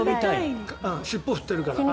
尻尾を振っているから。